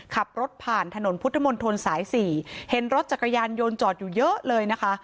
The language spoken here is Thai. ขับรถผ่านถนนพุทธมนตรสายสี่เห็นรถจักรยานยนต์จอดอยู่เยอะเลยนะคะ